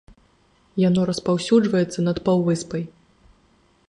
Яно распаўсюджваецца над паўвыспай.